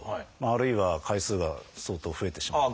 あるいは回数が相当増えてしまう。